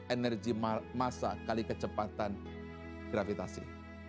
energi masa kali kecepatan gravitasi